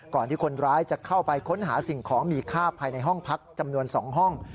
ที่คนร้ายจะเข้าไปค้นหาสิ่งของมีค่าภายในห้องพักจำนวน๒ห้อง